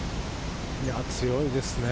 強いですね。